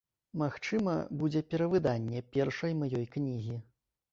Магчыма, будзе перавыданне першай маёй кнігі.